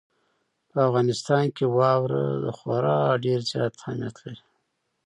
په افغانستان کې واوره خورا ډېر زیات اهمیت لري.